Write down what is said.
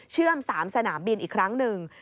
เชื่อม๓สนามบินอีกครั้งหนึ่ง